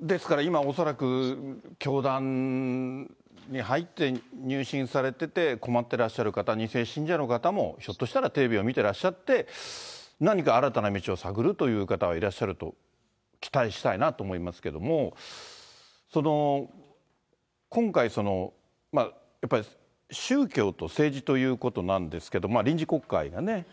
ですから、今恐らく、教団に入って、入信されてて困ってらっしゃる方、２世信者の方もテレビ見ていて、何か新たな道を探るという方はいらっしゃると期待したいなと思いますけども、今回、やっぱり宗教と政治ということなんですけど、臨時国会がね。